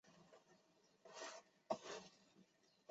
小桃纻